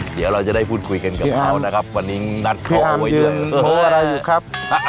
พี่ฮามพี่ฮามพี่ฮามเยือนโทรอะไรอยู่ครับ